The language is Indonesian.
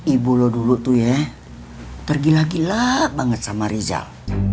ibu lo dulu tuh ya pergilah gila banget sama rizal